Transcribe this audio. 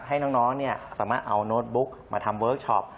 ให้น้องสามารถเอาโน้ตบุ๊กมาทำเวิร์คชอป